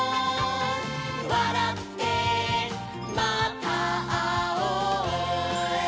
「わらってまたあおう」